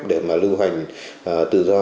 để mà lưu hành tự do